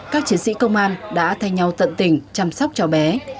các chiến sĩ công an đã thay nhau tận tình chăm sóc cháu bé